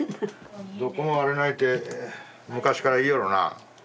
「どこも悪うない」って昔から言いよるな。